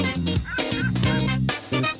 สวัสดีปีใหม่วันหยุดยาว